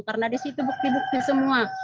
karena di situ bukti bukti semua